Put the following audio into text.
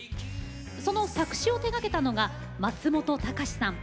その作詞を手がけたのが松本隆さん。